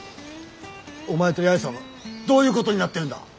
お前と八重さんはどういうことになってるんだ。